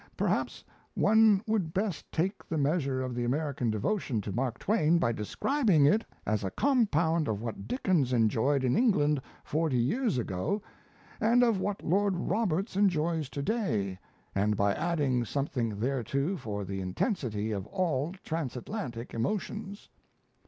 Perhaps one would best take the measure of the American devotion to Mark Twain by describing it as a compound of what Dickens enjoyed in England forty years ago, and of what Lord Roberts enjoys to day, and by adding something thereto for the intensity of all transatlantic emotions.